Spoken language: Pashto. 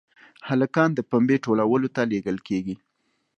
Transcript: هلکان د پنبې ټولولو ته لېږل کېږي.